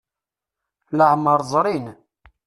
Leɛmer ẓrin.